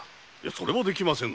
それはできませぬ。